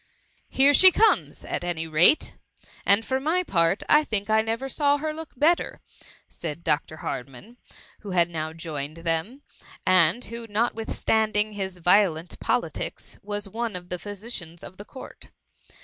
^^ Here she comes, at any rate ! and for my part, I think I never saw her look bet ter, said Dr. Hardman, who had now joined them, and wht), notwithstanding his violent politics, was one of the physicians of the Court.